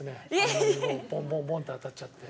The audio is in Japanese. あんなにボンボンボンって当たっちゃって。